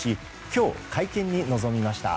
今日、会見に臨みました。